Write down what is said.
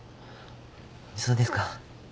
そうですか。